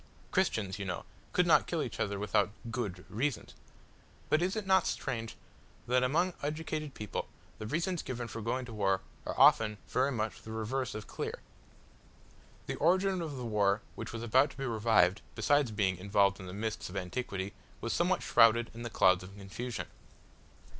Christians, you know, could not kill each other without good reasons; but is it not strange that among educated people, the reasons given for going to war are often very much the reverse of clear? The origin of the war which was about to be revived, besides being involved in the mists of antiquity, was somewhat shrouded in the clouds of confusion.